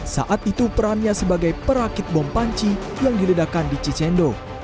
saat itu perannya sebagai perakit bom panci yang diledakan di cicendo